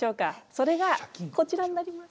それがこちらになります。